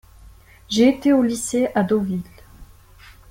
J'ai été au lycée à Deauville.